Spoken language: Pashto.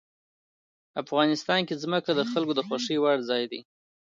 افغانستان کې ځمکه د خلکو د خوښې وړ ځای دی.